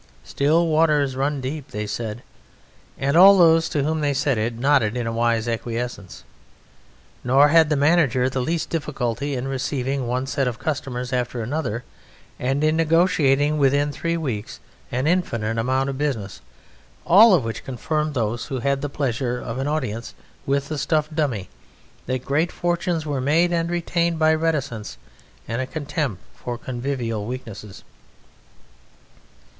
"Still waters run deep," they said, and all those to whom they said it nodded in a wise acquiescence. Nor had the Manager the least difficulty in receiving one set of customers after another and in negotiating within three weeks an infinite amount of business, all of which confirmed those who had the pleasure of an audience with the stuffed dummy that great fortunes were made and retained by reticence and a contempt for convivial weakness.